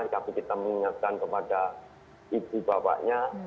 tapi kita mengingatkan kepada ibu bapaknya